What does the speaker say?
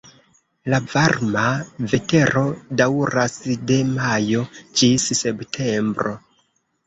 La varma vetero daŭras de majo ĝis septembro.